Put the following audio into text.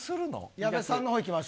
矢部さんのほういきましょう。